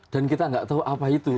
dan kita gak tau apa itu